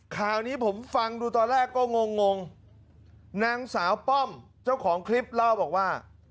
ข่าวนี้ผมฟังดูตอนแรกก็งงงนางสาวป้อมเจ้าของคลิปเล่าบอกว่า